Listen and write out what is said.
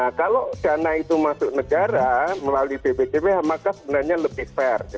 nah kalau dana itu masuk negara melalui bpjbh maka sebenarnya lebih fair